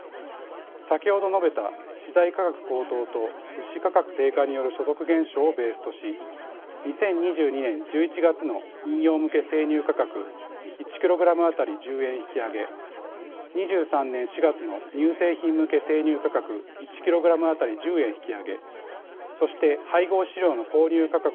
先ほど述べた資材価格高騰と牛価格低下による所得減少をベースとし２０２２年１１月の飲用向け生乳価格１ｋｇあたり１０円引き上げ２３年４月の乳製品向け生乳価格１ｋｇあたり１０円引き上げそして配合飼料の購入価格を抑える